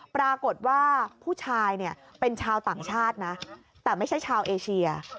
ปรากฏว่าผู้ชายเนี่ยเป็นชาวต่างชาตินะแต่ไม่ใช่ชาวเอเชีย